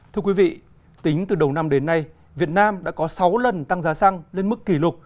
thưa quý vị tính từ đầu năm đến nay việt nam đã có sáu lần tăng giá xăng lên mức kỷ lục